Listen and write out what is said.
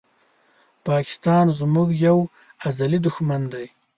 پاکستان زموږ یو ازلې دښمن دي